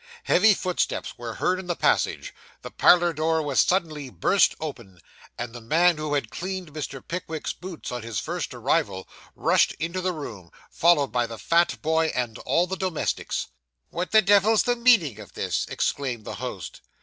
Heavy footsteps were heard in the passage; the parlour door was suddenly burst open; and the man who had cleaned Mr. Pickwick's boots on his first arrival, rushed into the room, followed by the fat boy and all the domestics. 'What the devil's the meaning of this?' exclaimed the host.